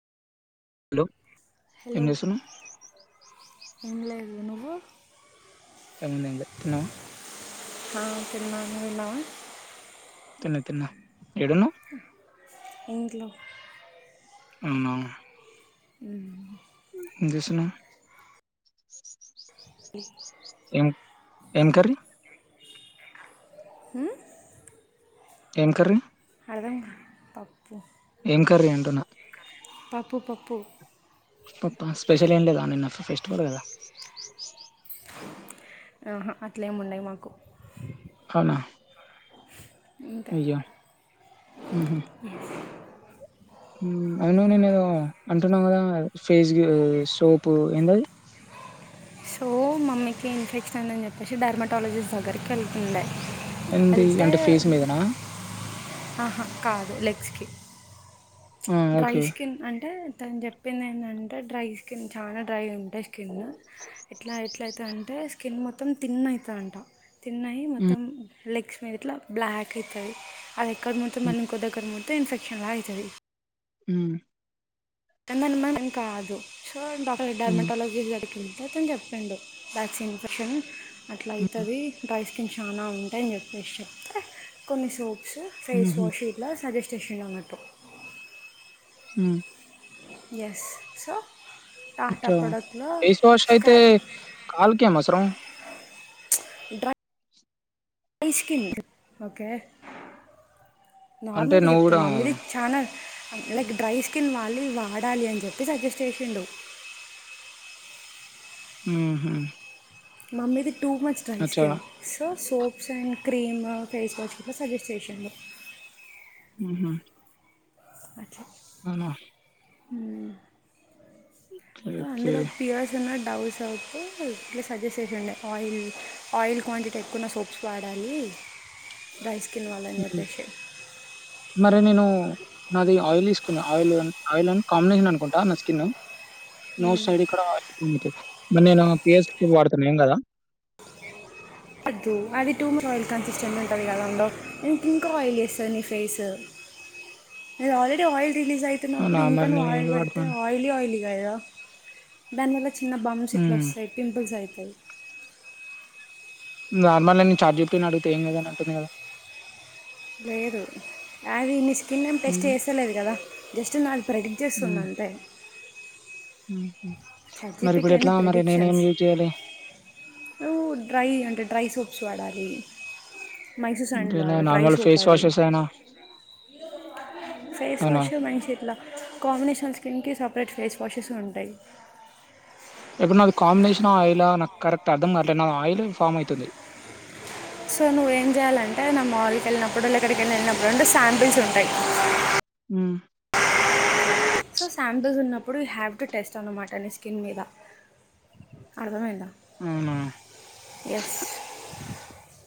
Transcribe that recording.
Hello hello ఏం చేస్తున్నావ్? ఏం లేదు. నువ్వు? ఏం తినలే తిన్నావా? ఆ తిన్నా. నువ్వు తిన్నావా? తిన్న తిన్న ఏడున్నావ్? ఇంట్లో. అవునా! మ్ ఏం చేస్తున్నావ్? ఏం ఏం కర్రీ? మ్ ఏం కర్రీ? అర్థం కాలే. పప్పు ఏం కర్రీ అంటున్నా? పప్పు పప్పు. పప్ప స్పెషల్ ఏం లేదా నేన్న ఫ ఫెస్టివల్ కదా! ఆహా అట్లేమి ఉండయి మాకు. అవునా! ఇంక? అయ్యో స్ అయినా నిన్ ఏదో అంటున్నావ్ కదా ఫేస్ గి సోప్ ఏందది? సో మమ్మీకి ఇన్ఫెక్షన్ ఉంది అని చెప్పేసి, డర్మటాలజిస్ట్ దగ్గరికి వెళ్తుండ. ఎంది అంటే ఫేస్ మీదనా? ఆహా కాదు లెగ్స్ కి. ఆ డ్రై ఓకే స్కిన్ అంటే, తను చెప్పింది ఏంటంటే డ్రై స్కిన్, చాన డ్రై ఉంటె స్కిన్ ఎట్లా ఎట్లయితదంటె అంటే, స్కిన్ మొత్తం తిన్ అయితదంట. తిన్నయి మొత్తం లెగ్స్ మీద ఇట్ల బ్లాక్ అయితది. అది ఎక్కడ మొత్తం మళ్లీ ఇంకో దగ్గర ముట్ తే ఇన్ఫెక్షన్ అయితది. మ్ తన అనుమానం కాదు. సో డాక్టర్ డర్మెటాలజీస్ట్ దగ్గరికిల్లిన్ తె అతను చెప్పిండు. వ్యాక్సిన్ ఇన్ఫెక్షన్ అట్ల అయితది. డైసీ చాన ఉంటాయని చెప్పేసి చెప్తే, కొన్ని సోప్స్, ఫేస్ వాష్ ఇట్లా సజెస్ట్ చేసిండు అన్నట్టు. మ్ ఎస్ సో టాటా ప్రోడక్ట్లో ఫేస్ వాష్ అయితే, స్కై కాలుకేం అవసరం? Draw dry skin. ఓకె అంటే నార్మల్గా నువ్వు చెప్త. కూడా మమ్మీది చాన లైక్ డ్రై స్కిన్ వాళ్ళు ఇవి వాడాలి అని చెప్పి సజెస్ట్ చేసిండు మ్ హు మమ్మీది too much dry skin so soaps and cream, face wash గిట్ల సజెస్ట్ చేసిండు. మ్ హు అ ఆహ మ్ ఓకే. అందులో పియర్స్ అన్న డావ్ సోప్ ఇట్లా సజెస్ట్ చేసిండే ఆయిల్ ఆయిల్ క్వాంటిటీ ఎక్కువున్న సోప్స్ వాడాలి డ్రై స్కిన్ వాళ్ళని హ్మ్. చెప్పేసి మరి నేను నాది ఆయిలీ స్కిన్ ఆయిల్ అన్ ఆయిల్ అని కాంబినేషన్ అనుకుంటా నా స్కిన్ మోస్ట్ సైడ్ కి కూడా ఆయిల్ ఉంటది మరి నేను పి ఎస్ పి వాడుతన్నా ఏం కదా టూ అది ట్యూమర్ ఆయిల్ కన్సిస్టెంట్ ఉంటది అండి ఇంకా ఆయిల్ చేస్తది నీ ఫేస్ నిధి ఆల్రెడీ ఆయిల్ రిలీజ్ అవునా! అయితున్నప్పుడు ఇంకా మరి నువ్ నేను ఆయిల్ ఏది పెడితే వాడుతున్నా? ఆయిలీ ఆయిలీ కదా దానివల చిన్న బంప్స్ ఇట్లా హ్మ్. వస్తయి పింపుల్స్ అయితాయి నార్మల్ నేను చాట్జిపిటి అడిగితే ఏం లేదని అంటుంది కదా లేదు అది నీ స్కిన్ ఏం టెస్ట్ హ్మ్. చేస్తలేదు కదా జస్ట్ నకు ప్రెడిక్ట్ చేస్తుంది అంతే ఉహు మరి చచ్చిపిటి ఇప్పుడు అన్ని ఎట్లా మరి నేనేం ప్రెడిక్షన్స్ యూజ్ చేయ్యాలి నువ్వు డ్రై అంటే డ్రై సోప్స్ వాడాలి మైసూర్ అంటే శాండల్ ఇలా వాడు డ్రై నార్మల్ సోప్ ఫేస్ ఆది వాషెస్ ఏనా? ఫేస్ అవునా? వాష్ మంచిగా ఇట్ల కాంబినేషన్ స్కిన్ కి సప్ రేట్ ఫేస్ వాషెస్ ఉంటాయి ఇప్పుడు నాది కాంబినేషన్ ఆయిల్ నాకు కరెక్ట్ అర్థం కావట్లేదు నా ఆయిల్ ఫార్మ్ అయితుంది సో నువ్వు ఏం చేయాలంటే నా మాల్కి వెళ్ళినప్పుడుళలక్కడికి వెళ్ళి వెళ్ళినప్పుడు అంటే శాంపిల్స్ ఉంటాయి ఉ సో శాంపిల్స్ ఉన్నప్పుడు యు హేవ్ టు టెస్ట్ అన్నమాట నీ స్కిన్ మీద అర్థమైందా అవునా ఎస్